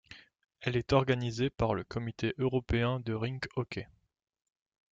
Elle est organisée par le Comité européen de rink hockey.